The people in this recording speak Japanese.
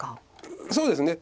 そうですね。